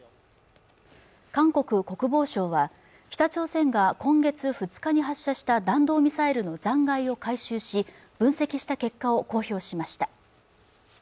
韓国国防省は北朝鮮が今月２日に発射した弾道ミサイルの残骸を回収し分析した結果を公表しました